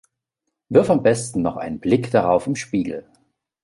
Wirf am besten noch einen Blick darauf im Spiegel.